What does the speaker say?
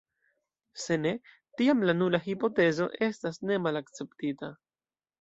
Se ne, tiam la nula hipotezo estas ne malakceptita.